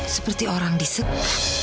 seperti orang disekat